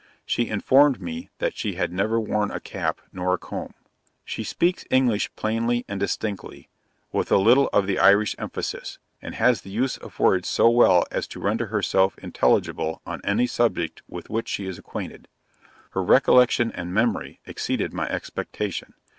She informed me that she had never worn a cap nor a comb. She speaks English plainly and distinctly, with a little of the Irish emphasis, and has the use of words so well as to render herself intelligible on any subject with which she is acquainted. Her recollection and memory exceeded my expectation.